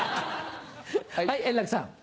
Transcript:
はい円楽さん。